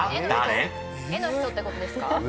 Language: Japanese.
絵の人ってことですか？